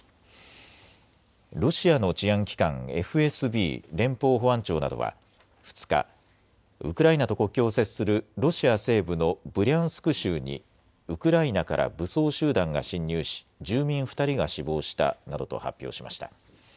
ロシアの治安機関、ＦＳＢ・連邦保安庁などは２日、ウクライナと国境を接するロシア西部のブリャンスク州にウクライナから武装集団が侵入し住民２人が死亡したなどと発表しました。